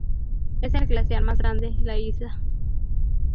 Es el glaciar más grande la isla.